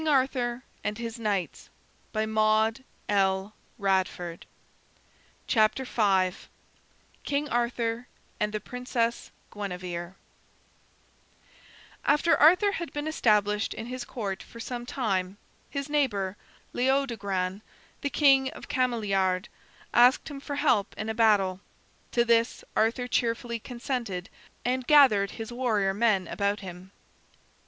[Illustration: The Shield and the Sword] KING ARTHUR & THE PRINCESS GUINEVERE After Arthur had been established in his Court for some time, his neighbor, Leodogran, the king of Cameliard, asked him for help in a battle. To this Arthur cheerfully consented, and gathered his warrior men about him.